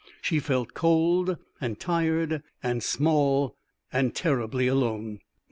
She felt cold, and tired, and small, and terribly alone.